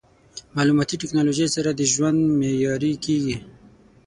مالوماتي ټکنالوژي سره د ژوند معیاري کېږي.